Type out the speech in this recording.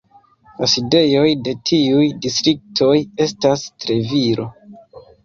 La sidejoj de tiuj distriktoj estas Treviro.